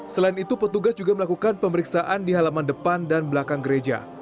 selain itu petugas juga melakukan pemeriksaan di halaman depan dan belakang gereja